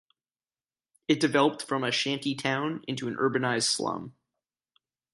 It developed from a shanty town into an urbanized slum.